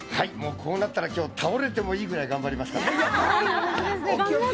こうなったら今日、倒れてもいいくらい頑張ります。